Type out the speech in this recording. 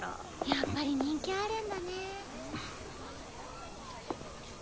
やっぱり人気あるんだね。